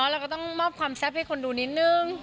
เราก็ต้องมอบความแซ่บให้คนดูนิดนึง